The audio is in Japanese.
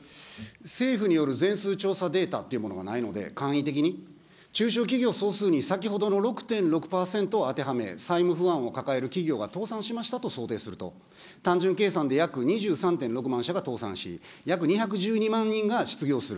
政府による全数調査データというものがないので、簡易的に、中小企業総数に先ほどの６．６％を当てはめ、債務不安を抱える企業が倒産しましたと想定すると、単純計算で約２６．３万倒産し、約２１２万人が失業する。